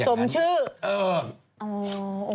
สมชื่อเออ